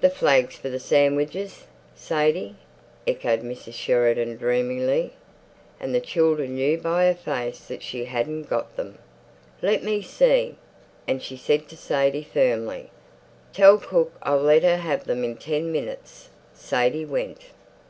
"The flags for the sandwiches, Sadie?" echoed Mrs. Sheridan dreamily. And the children knew by her face that she hadn't got them. "Let me see." And she said to Sadie firmly, "Tell cook I'll let her have them in ten minutes." Sadie went.